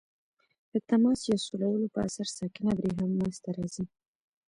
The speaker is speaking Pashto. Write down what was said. د تماس یا سولولو په اثر ساکنه برېښنا منځ ته راځي.